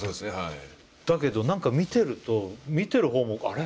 だけど何か見てると見てる方もあれ？